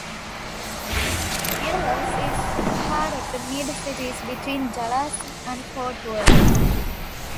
Euless is part of the Mid-Cities between Dallas and Fort Worth.